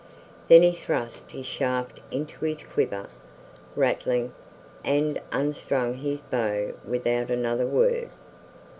Then he thrust his shaft into his quiver, rattling, and unstrung his bow without another word.